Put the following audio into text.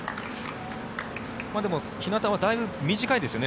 でも、日なたはだいぶ短いですよね。